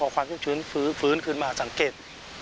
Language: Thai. ความชุ่มชื้นฝืนฝืนคืนมาสังเกต